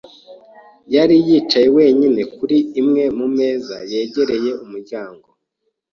yari yicaye wenyine kuri imwe mu meza yegereye umuryango.